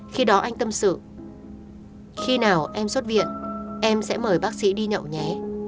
khi đó anh tâm sự khi nào em xuất viện em sẽ mời bác sĩ đi nhậu nhé